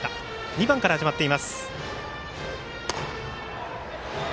２番から始まっています。